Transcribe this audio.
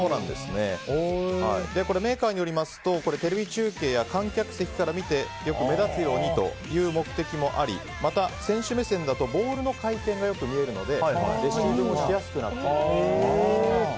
メーカーによりますと、これはテレビ中継や観客席から見てよく目立つようにという目的もありまた、選手目線だとボールの回転が、よく見えるのでレシーブもしやすくなっている。